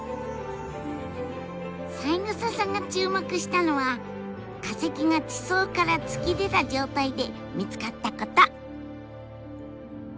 三枝さんが注目したのは化石が地層から突き出た状態で見つかったこと！